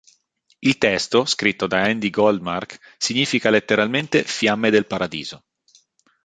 Il testo, scritto da Andy Goldmark, significa letteralmente "Fiamme Del Paradiso".